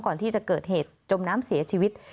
ก่อนที่จะเกิดเหตุจมน้ำเสียชีวิต